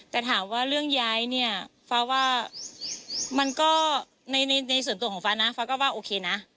แต่ถามว่าเรื่องย้ายเนี่ยฟ้าว่ามันก็ในส่วนตัวของฟ้านะฟ้าก็ว่าโอเคนะ